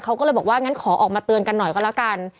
เขาก็เลยบอกว่างั้นขอออกมาเตือนกันหน่อยก็แล้วกัน